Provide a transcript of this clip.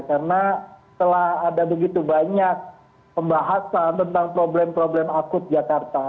karena setelah ada begitu banyak pembahasan tentang problem problem akut jakarta